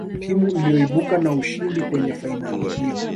timu iliyoibuka na ushindi kwenye fainali hiyo